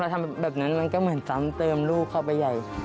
ทำแบบนั้นมันก็เหมือนซ้ำเติมลูกเข้าไปใหญ่